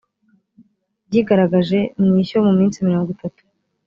byigaragaje mu ishyo mu minsi mirongo itatu